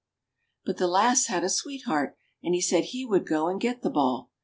But the lass had a sweetheart, and he said he would go and get the ball.